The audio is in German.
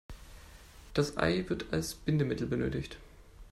Das Ei wird als Bindemittel benötigt.